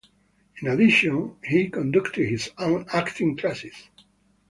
In addition, he conducted his own acting classes.